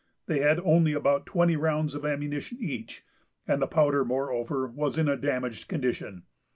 They had only about twenty rounds of ammunition each; and the powder, moreover, was in a damaged condition.